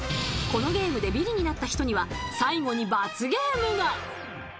このゲームでビリになった人には最後に罰ゲームが。